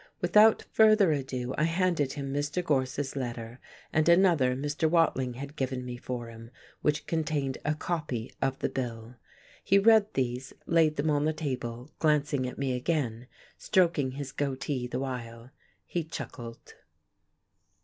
Without further ado I handed him Mr. Gorse's letter, and another Mr. Watling had given me for him, which contained a copy of the bill. He read these, laid them on the table, glancing at me again, stroking his goatee the while. He chuckled.